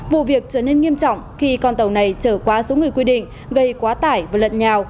vụ việc trở nên nghiêm trọng khi con tàu này trở quá số người quy định gây quá tải và lận nhào